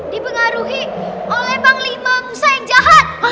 dipengaruhi oleh panglima nusa yang jahat